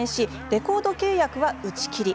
レコード契約は打ち切り。